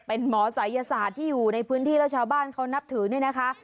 เป็นหมอศัยศาสตร์ที่อยู่ในพื้นที่แล้วชาวบ้านเขานับถือเนี่ยนะคะ